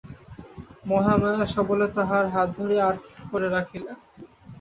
মহামায়া সবলে তাহার হাত ধরিয়া আটক করিয়া রাখিল।